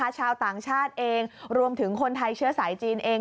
ชาวต่างชาติเองรวมถึงคนไทยเชื้อสายจีนเอง